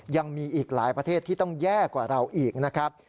ยังมีอีกหลายประเทศที่ต้องแย่กว่าเราอีกนะครับ